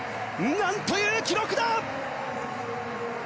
何という記録だ！